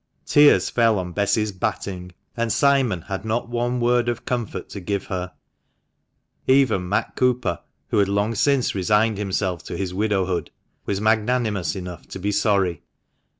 Tears fell on Bess's batting; and Simon had not one word of comfort to give her. Even Matt Cooper, who had long since resigned himself to his widowhood, was magnanimous enough to be sorry.